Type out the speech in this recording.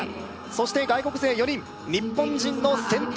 そして外国勢４人日本人の先頭